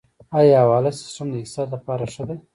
آیا حواله سیستم د اقتصاد لپاره ښه دی؟